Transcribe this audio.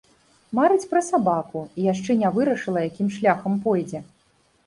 Марыць пра сабаку, і яшчэ не вырашыла, якім шляхам пойдзе.